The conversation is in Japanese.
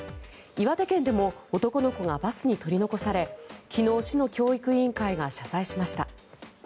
岩手県でも男の子がバスに取り残され昨日、市の教育委員会が謝罪しました。